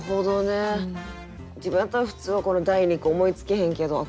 自分やったら普通はこの第二句思いつけへんけどああ